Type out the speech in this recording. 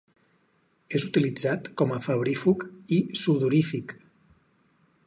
És utilitzat com febrífug i sudorífic.